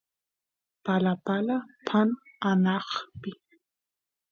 palapala paan anaqpi